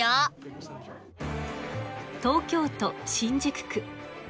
東京都新宿区。